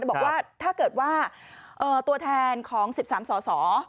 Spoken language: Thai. บอกว่าถ้าเกิดว่าตัวแทนของ๑๓สส